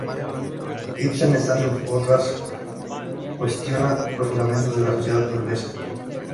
Ibsen en estas obras cuestiona los fundamentos de la sociedad burguesa.